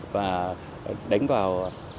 và đánh vào